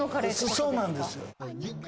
そうなんです。